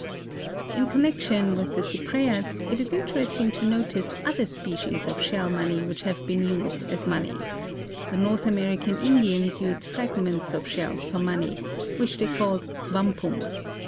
In connection with the Cypraeas it is interesting to notice other species of shell money which have been used as money. The North American Indians used fragments of shells for money, which they called wampum.